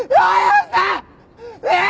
ねえ！